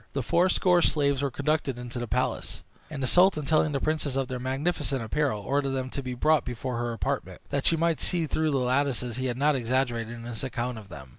The fourscore slaves were conducted into the palace; and the sultan, telling the princess of their magnificent apparel, ordered them to be brought before her apartment, that she might see through the lattices he had not exaggerated in his account of them.